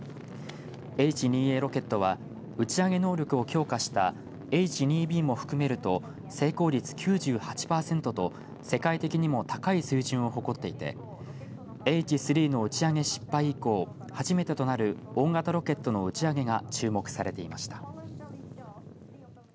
Ｈ２Ａロケットは打ち上げ能力を強化したＨ２Ｂも含めると成功率９８パーセントと世界的にも高い水準を誇っていてＨ３の打ち上げ失敗以降初めてとなる大型ロケットの打ち上げが注目されていました。